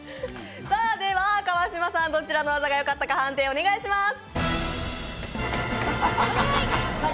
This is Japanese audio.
川島さん、どちらの技がよかったか、判定をお願いします。